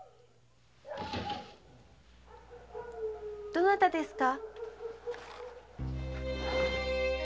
どなたですか？